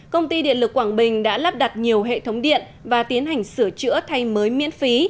công ty điện lực quảng bình đã lắp đặt nhiều hệ thống điện và tiến hành sửa chữa thay mới miễn phí